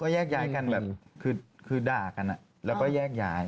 แยกย้ายกันแบบคือด่ากันแล้วก็แยกย้าย